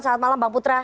salam malam bang putra